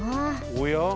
おや？